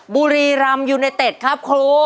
บุรีรำครับ